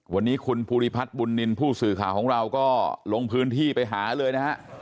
วันนี้คุณภูริพัฒน์บุญนินทร์ผู้สื่อข่าวของเราก็ลงพื้นที่ไปหาเลยนะฮะ